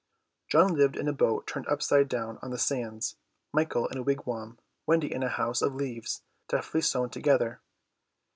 John lived in a boat turned upside down on the sands, Michael in a wigwam, Wendy in a house of leaves deftly sewn together.